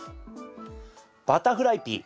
バタフライピー。